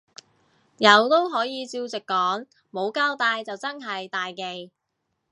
有都可以照直講，冇交帶就真係大忌